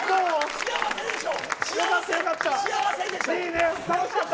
幸せでしょ？